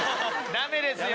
ダメですよ！